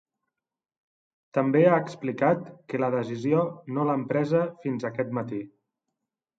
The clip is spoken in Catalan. També ha explicat que la decisió no l’han presa fins aquest matí.